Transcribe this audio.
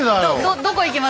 どどこ行きますか？